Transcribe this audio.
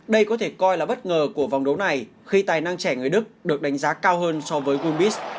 đây có thể coi là bất ngờ của vòng đấu này khi tài năng trẻ người đức được đánh giá cao hơn so với olbis